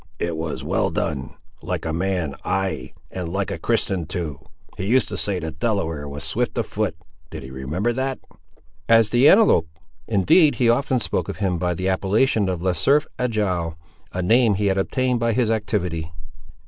"It was well done! like a man: ay! and like a Christian, too! He used to say the Delaware was swift of foot—did he remember that?" "As the antelope! Indeed, he often spoke of him by the appellation of Le Cerf Agile, a name he had obtained by his activity."